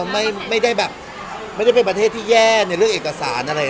ไม่ได้แบบไม่ได้เป็นประเทศที่แย่ในเรื่องเอกสารอะไร